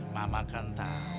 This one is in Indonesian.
mama kan tahu